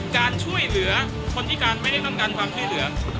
การช่วยเหลือคนพิการไม่ได้ต้องการความช่วยเหลือ